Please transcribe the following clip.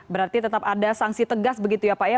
berarti tetap ada sanksi tegas begitu ya pak ya